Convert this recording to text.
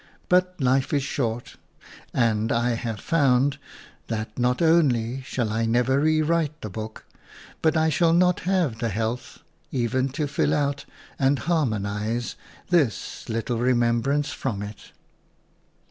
But life is short; and I have found that not only shall I never re write the book, but I shall not have the FOREWORD health even to fill out and harmonize this little remembrance from it.